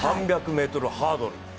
３００ｍハードル。